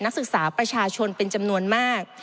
นักศึกษาประชาชนเป็นจำนวนมาก